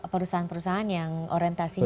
perusahaan perusahaan yang orientasinya